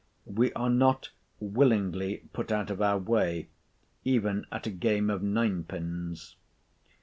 We are not willingly put out of our way, even at a game of nine pins.